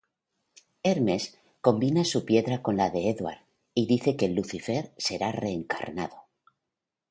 Hermes combina su piedra con la de Edward y dice que Lucifer será reencarnado.